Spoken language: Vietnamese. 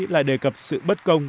lại đề cập sự bất công